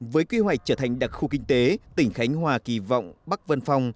với quy hoạch trở thành đặc khu kinh tế tỉnh khánh hòa kỳ vọng bắc vân phong